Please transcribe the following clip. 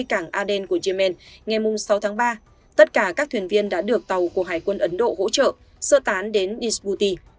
cảng aden của yemen ngày sáu tháng ba tất cả các thuyền viên đã được tàu của hải quân ấn độ hỗ trợ sơ tán đến isbuti